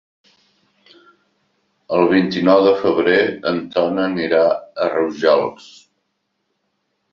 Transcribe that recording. El vint-i-nou de febrer en Ton irà a Rojals.